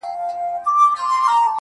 o راته ستا حال راكوي.